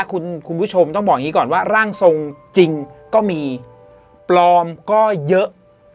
คุณผู้ชมต้องบอกอย่างนี้ก่อนว่าร่างทรงจริงก็มีปลอมก็เยอะ